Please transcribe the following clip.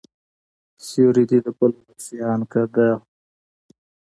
سيورى دي د بل ورک شي، آن که د هما هم وي